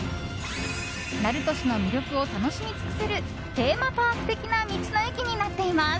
鳴門市の魅力を楽しみ尽くせるテーマパーク的な道の駅になっています。